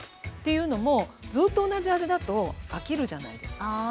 というのもずっと同じ味だと飽きるじゃないですか。